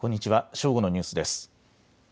正午のニュースです。